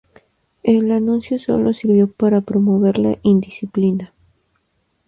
El anuncio sólo sirvió para promover la indisciplina.